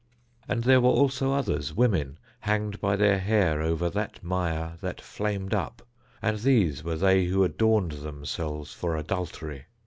And there were also others, women, hanged by their hair over that mire that flamed up, and these were they who adorned themselves for adultery.